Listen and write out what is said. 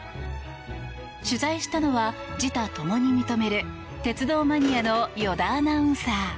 取材したのは、自他共に認める鉄道マニアの依田アナウンサー。